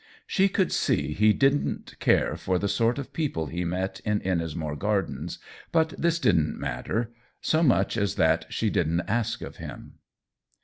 She could see he didn't care for the sort of people he met in Ennismore Gardens, but this didn't matter; so much as that she didn't ask of him.